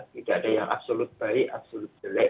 tidak ada yang absolut baik absolut jelek